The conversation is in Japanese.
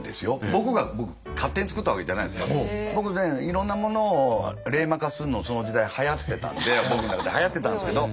僕が勝手に作ったわけじゃないんですけど僕ねいろんなものを冷マ化するのその時代はやってたんで僕の中ではやってたんですけど。